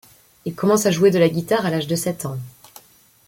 Il commence à jouer de la guitare à l’âge de sept ans.